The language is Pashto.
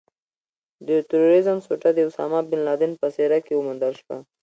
د ترورېزم سوټه د اسامه بن لادن په څېره کې وموندل شوه.